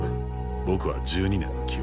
僕は１２年の記憶。